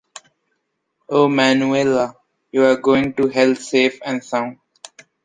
Oh Manuela, you are going to hell safe and sound.